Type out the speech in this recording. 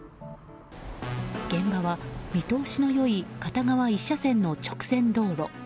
現場は見通しの良い片側１車線の直線道路。